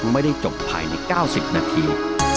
ไม่ได้จบภายในเก้าสิบนาที